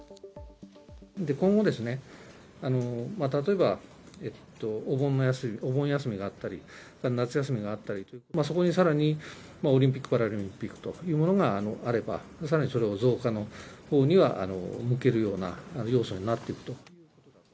今後、例えばお盆休みがあったり、夏休みがあったり、そこにさらにオリンピック・パラリンピックというものがあれば、さらにそれを増加のほうには向けるような要素になっていくと。